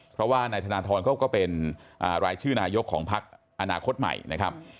เพราะว่านายธนทรเขาก็เป็นรายชื่อนายกของพักอนาคตใหม่นะครับ